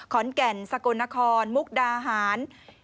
ขอนแก่นสกลนครมุกดาหาร